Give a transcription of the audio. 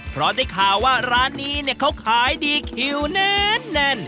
เพราะได้ข่าวว่าร้านนี้เนี่ยเขาขายดีคิวแน่น